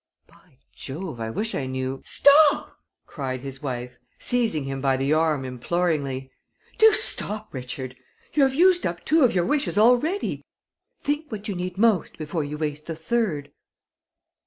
"By Jove, I wish I knew " "Stop!" cried his wife, seizing him by the arm, imploringly. "Do stop, Richard. You have used up two of your wishes already. Think what you need most before you waste the third."